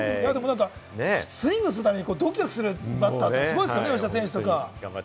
スイングするたびにドキドキするバッターってすごいですよね。